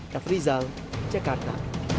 tef rizal jakarta